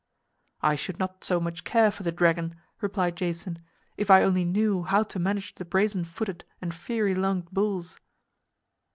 "I should not so much care for the dragon," replied Jason, "if I only knew how to manage the brazen footed and fiery lunged bulls."